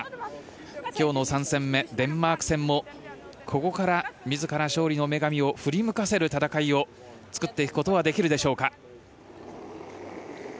きょうの３戦目、デンマーク戦もここから、みずから勝利の女神を振り向かせる戦いを作っていくことはできるでしょうか。